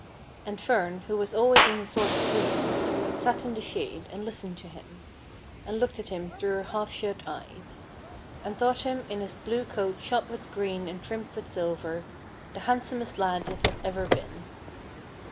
and Fern, who was always in a sort of dream, sat in the shade, and listened to him, and looked at him through her half shut eyes, and thought him, in his blue coat shot with green and trimmed with silver, the handsomest lad that had ever been.